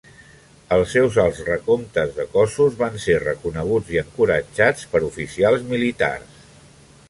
Els seus alts recomptes de cossos van ser reconeguts i encoratjats per oficials militars.